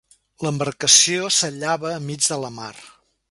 L'embarcació sallava enmig de la mar.